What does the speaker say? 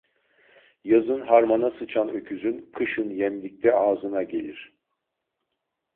Yazın harmana sıçan öküzün kışın yemlikte ağzına gelir.